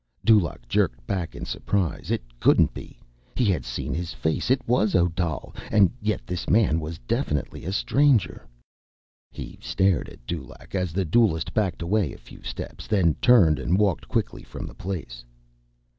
Dulaq jerked back in surprise. It couldn't be. He had seen his face. It was Odal—and yet this man was definitely a stranger. He stared at Dulaq as the duelist backed away a few steps, then turned and walked quickly from the place.